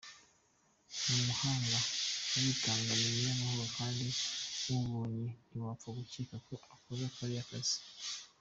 Ni umuhanga, aritanga, ni umunyamahoro kandi umubonye ntiwapfa gukeka ko akora kariya kazi.